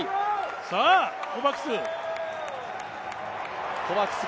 さあ、コバクス！